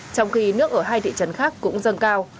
trong khi nước ở hai thị trấn khác cũng dâng cao